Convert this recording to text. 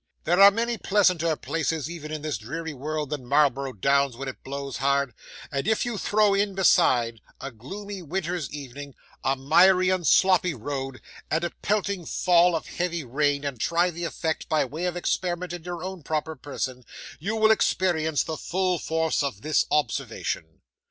'There are many pleasanter places even in this dreary world, than Marlborough Downs when it blows hard; and if you throw in beside, a gloomy winter's evening, a miry and sloppy road, and a pelting fall of heavy rain, and try the effect, by way of experiment, in your own proper person, you will experience the full force of this observation.